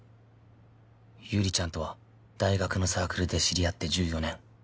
ゆりちゃんとは大学のサークルで知り合って１４年